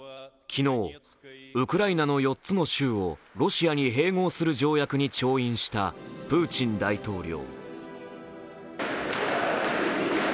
昨日、ウクライナの４つの州をロシアに併合する条約に調印したプーチン大統領。